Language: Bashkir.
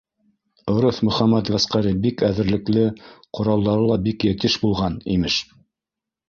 Ырыҫ Мөхәммәт ғәскәре бик әҙерлекле, ҡоралдары ла бик етеш булған, имеш.